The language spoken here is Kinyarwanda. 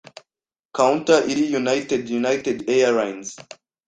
Counter irihe United United Airlines?